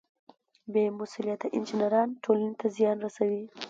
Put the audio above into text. بې مسؤلیته انجینران ټولنې ته زیان رسوي.